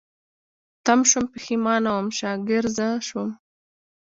تم شوم، پيښمانه وم، شاګرځ شوم